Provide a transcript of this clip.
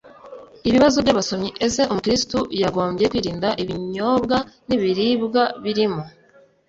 ibibazo by abasomyi ese umukristo yagombye kwirinda ibinyobwa n ibiribwa birimo